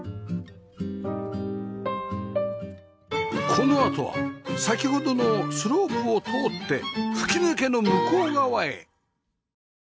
このあとは先ほどのスロープを通って吹き抜けの向こう側へ